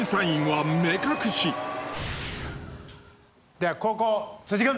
では後攻辻君！